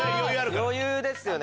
余裕ですよね